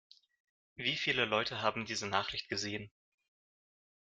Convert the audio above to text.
Wie viele Leute haben diese Nachricht gesehen?